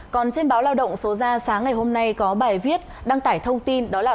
còn trên báo lao động số ra sáng ngày hôm nay có bài viết đăng tải thông tin đó là